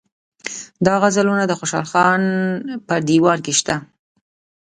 دا غزلونه د خوشحال خان په دېوان کې شته.